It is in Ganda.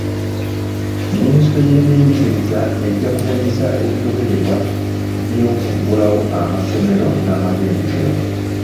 Minisitule y'ebyenjigiriza ejja kubunyisa ebigobererwa by'okuggulawo amasomero n'amatendekero.